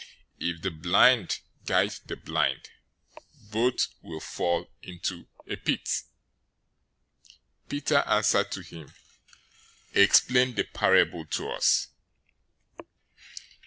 If the blind guide the blind, both will fall into a pit." 015:015 Peter answered him, "Explain the parable to us."